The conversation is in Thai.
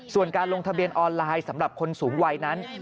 ส่วนการลงทะเบียนออนไลน์สำหรับคนสูงวัยนั้น